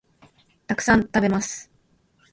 たくさん、食べます